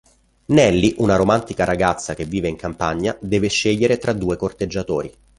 Nellie, un romantica ragazza che vive in campagna, deve scegliere tra due corteggiatori.